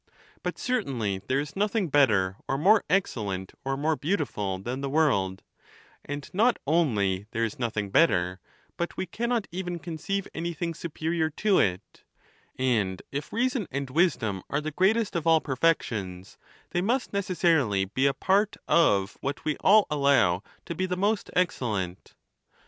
But certainly there is nothing better, or more excellent, or more beautiful than tlie world ; and not only there is noth ing better, but we cannot even conceive anything superior to it; and if reason and wisdom are the greatest of all perfections, they must necessarily be a part of what we all allow to be the most excellent.